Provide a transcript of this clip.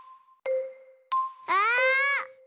あ！